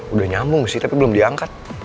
udah nyambung sih tapi belum diangkat